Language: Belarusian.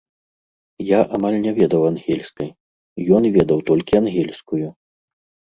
Я амаль не ведаў ангельскай, ён ведаў толькі ангельскую.